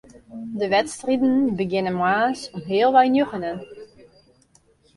De wedstriden begjinne moarns om healwei njoggenen.